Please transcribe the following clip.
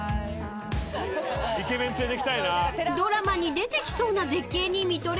［ドラマに出てきそうな絶景に見とれていると］